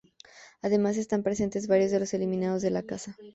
Además, están presentes varios de los eliminados de la casa.